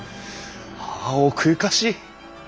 あ奥ゆかしい！